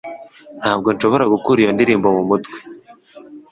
Ntabwo nshobora gukura iyo ndirimbo mumutwe